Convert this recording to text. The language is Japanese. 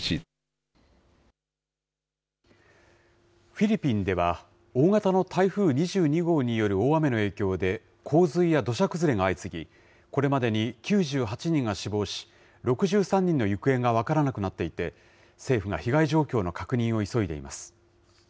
フィリピンでは、大型の台風２２号による大雨の影響で、洪水や土砂崩れが相次ぎ、これまでに９８人が死亡し、６３人の行方が分からなくなっていて、政府が被害状況の確認を急いでいます。